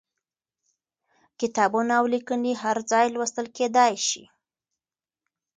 کتابونه او ليکنې هر ځای لوستل کېدای شي.